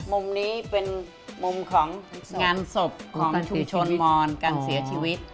มุมนี้เป็นมุมของงานศพของชุมชนมอนการเสียชีวิต